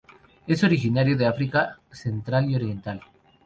Es originario de África Central y Oriental.